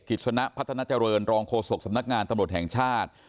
กิจสนะพัฒนาเจริญรองโฆษกสำนักงานตำรวจแห่งชาติ